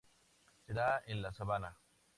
Se da en la sabana.